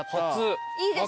いいですね。